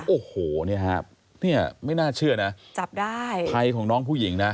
โอ้โหเนี่ยฮะเนี่ยไม่น่าเชื่อนะจับได้ภัยของน้องผู้หญิงนะ